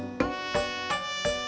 tidak ada yang bisa diberikan